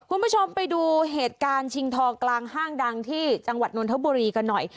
คุณผู้ชมไปดูเหตุการณ์ชิงทองกลางห้างดังที่จังหวัดนนทบุรีกันหน่อย